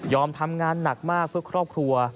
ทำงานหนักมากเพื่อครอบครัว